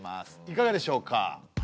いかがでしょうか？